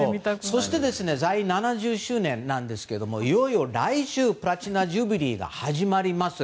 そして在位７０周年なんですがいよいよ来週プラチナ・ジュビリーが始まります。